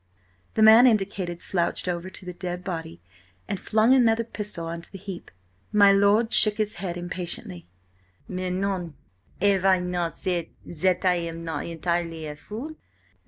The man indicated slouched over to the dead body and flung another pistol on to the heap. My lord shook his head impatiently. "Mais non. Have I not said that I am not entirely a fool?